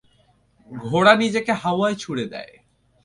ঘোড়া নিজেকে হাওয়ায় ছুঁড়ে দেয়।